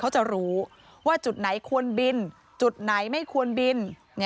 เขาจะรู้ว่าจุดไหนควรบินจุดไหนไม่ควรบิน